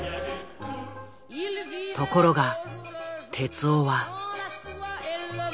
ところが徹男は。